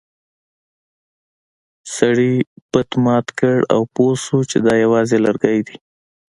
سړي بت مات کړ او پوه شو چې دا یوازې لرګی دی.